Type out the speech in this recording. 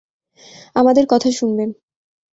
আমাদের কথা শুনবেন।